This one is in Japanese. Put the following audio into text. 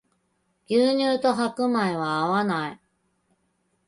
牛乳と白米は合わない